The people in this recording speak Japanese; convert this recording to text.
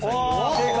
正解。